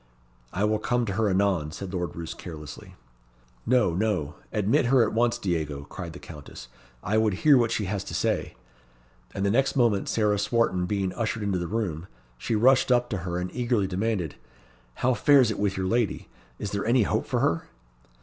"I will come to her anon," said Lord Roos carelessly. "No, no; admit her at once, Diego," cried the Countess; "I would hear what she has to say." And the next moment Sarah Swarton being ushered into the room, she rushed up to her and eagerly demanded, "How fares it with your lady? Is there any hope for her?"